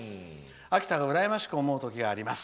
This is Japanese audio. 秋田がうらやましく思う時があります」。